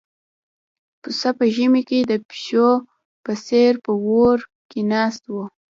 پسه په ژمي کې د پيشو په څېر په اور کې ناست و.